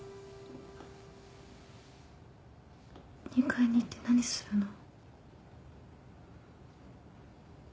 ２階に行って何するの？